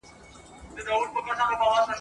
هره ښځه چي حجاب نه لري بې مالګي طعام ده ..